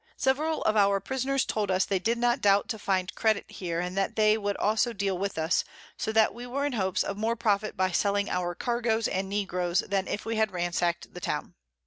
Several of our Prisoners told us they did not doubt to find Credit here, and that they would also deal with us; so that we were in hopes of more Profit by selling our Cargo's and Negro's than if we had ransack'd the Town.